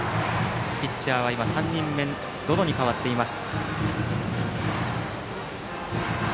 ピッチャーは今、３人目の百々に代わっています。